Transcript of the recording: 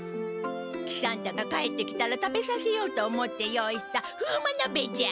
喜三太が帰ってきたら食べさせようと思って用意した風魔鍋じゃ！